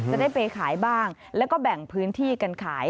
จะได้ไปขายบ้างแล้วก็แบ่งพื้นที่กันขาย